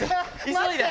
急いで！